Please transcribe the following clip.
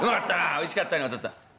「おいしかったねお父っつぁん。